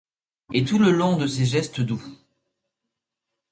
Et tout le long de ces gestes doux.